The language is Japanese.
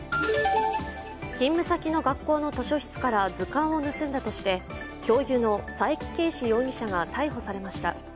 勤務先の学校の図書室から図鑑を盗んだとして教諭の佐伯啓史容疑者が逮捕されました。